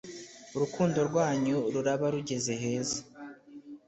urukundo rwanyu ruraba rugeze heza,